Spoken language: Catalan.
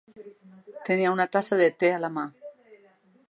Tenia una tassa de te a la mà.